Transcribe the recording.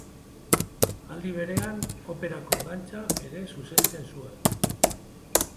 Aldi berean, Operako dantza ere zuzentzen zuen.